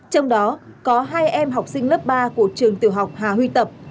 trong đó có hai em học sinh lớp ba của trường tiểu học hà huy tập